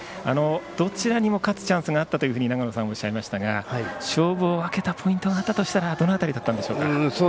どちらにも勝つチャンスはあったと長野さんはおっしゃいましたが勝負を分けたポイントが合ったとしたらどの辺りですか。